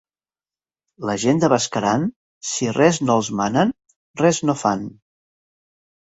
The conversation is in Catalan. La gent de Bescaran, si res no els manen res no fan.